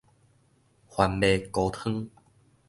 番麥糊湯